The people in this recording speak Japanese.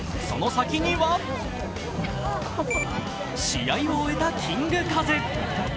その先には、試合を終えたキングカズ。